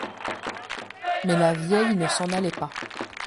Mais la vieille ne s’en allait pas.